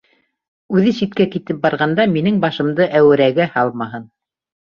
Үҙе ситкә китеп барғанда, минең башымды әүерәгә һалмаһын.